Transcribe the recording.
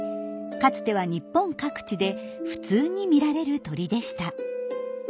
かつては日本各地で普通に見られる鳥でした。